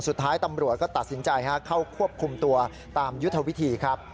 สุดท้ายตำรวจก็ตัดสินใจเข้าควบคุมตัวตามยุทธวิธีครับ